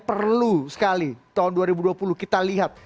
perlu sekali tahun dua ribu dua puluh kita lihat